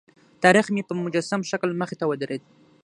تاریخ مې په مجسم شکل مخې ته ودرېد.